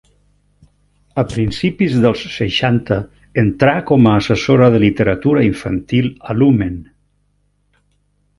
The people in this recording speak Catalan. A principis dels seixanta entrà com a assessora de literatura infantil a Lumen.